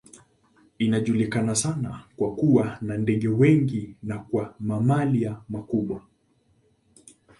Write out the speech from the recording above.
Inajulikana sana kwa kuwa na ndege wengi na kwa mamalia wakubwa.